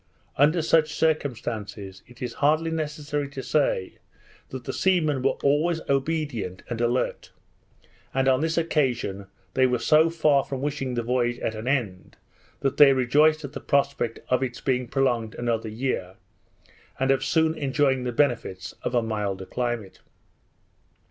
Under such circumstances, it is hardly necessary to say, that the seamen were always obedient and alert; and, on this occasion, they were so far from wishing the voyage at an end, that they, rejoiced at the prospect of its being prolonged another year, and of soon enjoying the benefits of a milder climate.